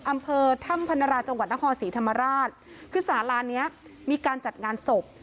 อำเภอถ้ำพนราจังหวัดนครศรีธรรมราชคือสาราเนี้ยมีการจัดงานศพ